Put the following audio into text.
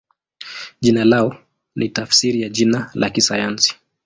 Jina lao ni tafsiri ya jina la kisayansi.